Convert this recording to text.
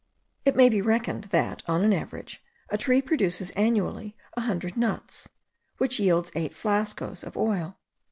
It may be reckoned that, on an average, a tree produces annually a hundred nuts, which yield eight flascos* of oil.